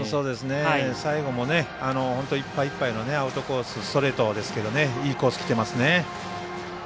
最後も本当いっぱいいっぱいのアウトコース、ストレートですがいいコースきてますね。